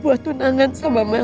buat tunangan sama mel